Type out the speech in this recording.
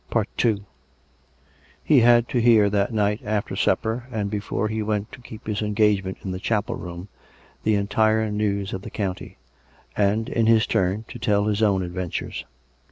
II He had to hear that night, after supper, and before he went to keep his engagement in the chapel room, the entire news of the county; and, in his turn, to tell his own ad ventures.